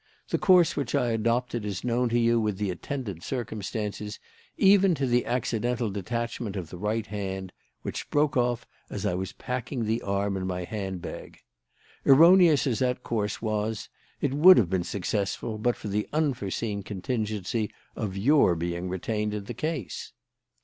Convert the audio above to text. The course which I adopted is known to you with the attendant circumstances, even to the accidental detachment of the right hand which broke off as I was packing the arm in my handbag. Erroneous as that course was, it would have been successful but for the unforeseen contingency of your being retained in the case.